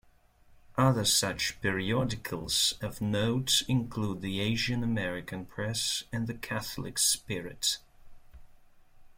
Other such periodicals of note include the "Asian American Press" and "The Catholic Spirit".